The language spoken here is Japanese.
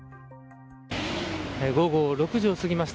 午後６時をすぎました。